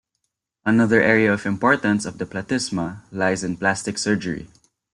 Another area of importance of the platysma lies in plastic surgery.